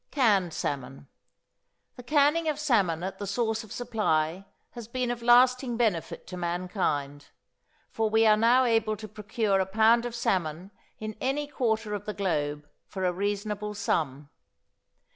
=Canned Salmon.= The canning of salmon at the source of supply has been of lasting benefit to mankind, for we are now able to procure a pound of salmon in any quarter of the globe for a reasonable sum.